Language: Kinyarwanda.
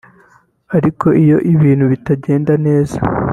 ariko iyo ibintu bitagenda neza